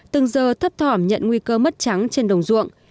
từng giờ thấp thỏm nhận nguy cơ mất trắng trên đồng ruộng